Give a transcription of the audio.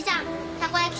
たこ焼き